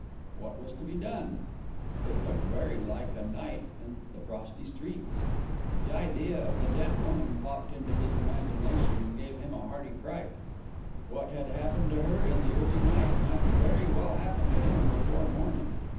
What was to be done? It looked very like a night in the frosty streets. The idea of the dead woman popped into his imagination, and gave him a hearty fright; what had happened to her in the early night might very well happen to him before morning.